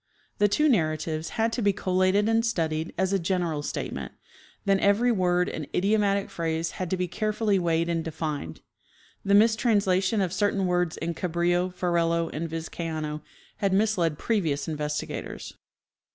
The two narratives had to be collated and studied as a general statement; then every word and idiomatic phrase had to be carefully weighed and defined. The mistranslation of certain words in Cabrillo, Ferrelo and Vizcaino had misled previous investigators.